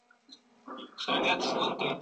ایمي په دفتر کې بې حوصله شوه.